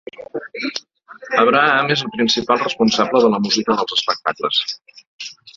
Abraham és el principal responsable de la música dels espectacles.